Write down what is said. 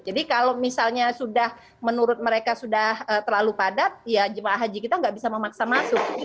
jadi kalau misalnya sudah menurut mereka sudah terlalu padat ya jemaah haji kita nggak bisa memaksa masuk